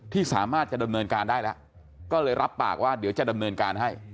ที่สามารถจะดำเนินการได้แล้วก็เลยรับปากว่าเดี๋ยวจะดำเนินการให้